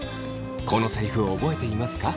このセリフを覚えていますか？